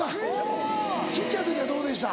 小っちゃい時はどうでした？